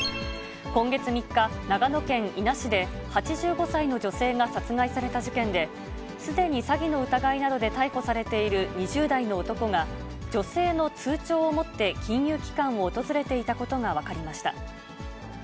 今月３日、長野県伊那市で８５歳の女性が殺害された事件で、すでに詐欺の疑いなどで逮捕されている２０代の男が、女性の通帳を持って金融機関を訪れていたことが分かりました。